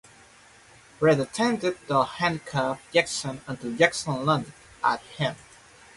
Wrede attempted to handcuff Jackson until Jackson lunged at him.